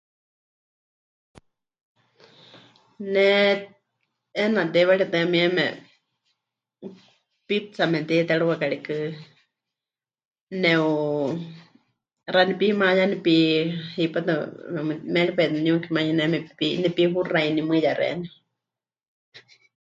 Ne 'eena teiwaritɨ́a mieme, pizza memɨte'itérɨwa karikɨ, neu... 'axa nepimayá, nepi... hipátɨ memu... méripaɨ niuki manuyɨne nepi... nepihuxainímɨya xeeníu.